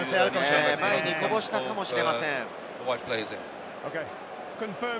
前にこぼしたかもしれません。